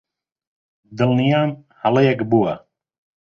دڵنیام هەڵەیەک بووە.